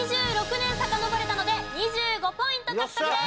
２６年さかのぼれたので２５ポイント獲得です！